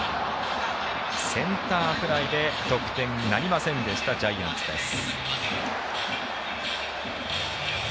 センターフライで得点なりませんでしたジャイアンツです。